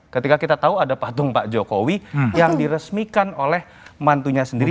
ketika kita tahu ada patung pak jokowi yang diresmikan oleh mantunya sendiri